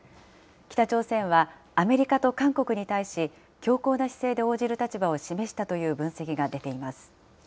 北朝鮮は、アメリカと韓国に対し、強硬な姿勢で応じる立場を示したという分析が出ています。